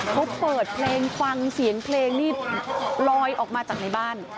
เขาเปิดเพลงฟังเสียงเพลงนี่ลอยออกมาจากในบ้าน